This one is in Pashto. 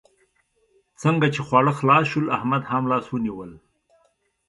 څنګه چې خواړه خلاص شول؛ احمد هم لاس ونيول.